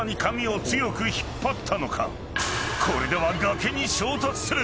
［これでは崖に衝突する。